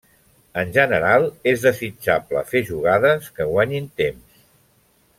En general, és desitjable fer jugades que guanyin temps.